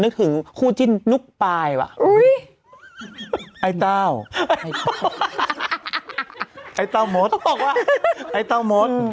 นึกถึงคู่จิ้นนุกปลายวะอุ้ยไอ้เต้าไอ้เต้ามดต้องบอกว่าไอ้เต้ามด